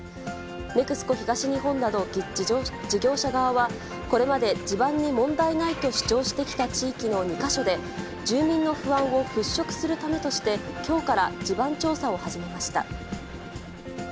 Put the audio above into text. ＮＥＸＣＯ東日本など事業者側は、これまで地盤に問題ないと主張してきた地域の２か所で、住民の不安を払拭するためとして、きょうから地盤調査を始めました。